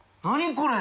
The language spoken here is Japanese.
これ。